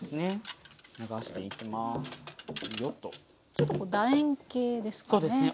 ちょっとだ円形ですかね。